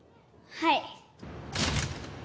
はい。